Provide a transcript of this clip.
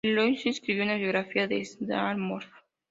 Lyon escribió una biografía de Sarnoff.